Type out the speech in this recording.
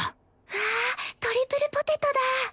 わあトリプルポテトだ！